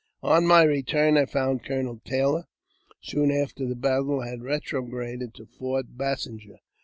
On my return, I found Colonel Taylor, soon after the battle, had retrograded to Fort Bassinger.